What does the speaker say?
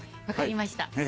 分かりました。